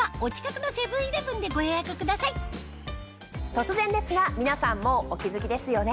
突然ですが皆さんもうお気付きですよね。